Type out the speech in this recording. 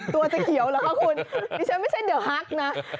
ตัวจะเขียวเหรอคะคุณดิฉันไม่ใช่เดี๋ยวฮักนะ